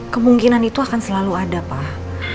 kemungkinan itu akan selalu ada pak